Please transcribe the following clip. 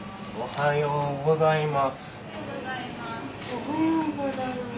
おはようございます。